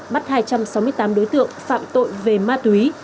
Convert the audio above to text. bắt hai trăm sáu mươi tám đối tượng phạm tội về ma túy